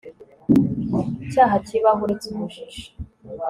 cyaha kibaho uretse ubujiji